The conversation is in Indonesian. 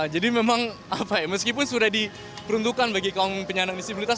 jadi memang apa ya meskipun sudah diperuntukkan bagi kaum penyandang disabilitas